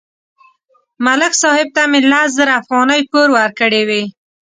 ملک صاحب ته مې لس زره افغانۍ پور ورکړې وې